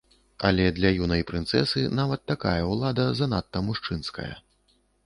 Але для юнай прынцэсы нават такая ўлада занадта мужчынская.